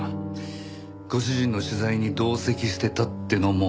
ご主人の取材に同席してたっていうのも。